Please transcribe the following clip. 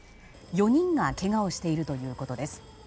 ４人がけがをしているということです。